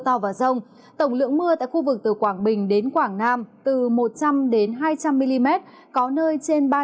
tàu và rông tổng lượng mưa tại khu vực từ quảng bình đến quảng nam từ một trăm linh đến hai trăm linh mm có nơi trên